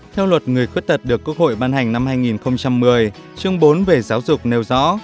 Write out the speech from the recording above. theo luật người khuyết tật được quốc hội ban hành năm hai nghìn một mươi chương bốn về giáo dục nêu rõ